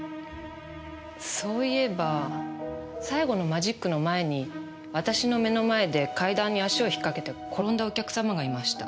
そういえば最後のマジックの前に私の目の前で階段に足を引っかけて転んだお客様がいました。